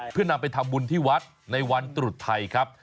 เพื่อนำไปทำบุญที่วัดในวันตรุษไทยครับ